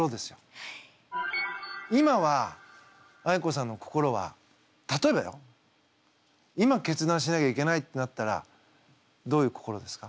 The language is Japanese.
今はあいこさんの心は例えばよ今決断しなきゃいけないってなったらどういう心ですか？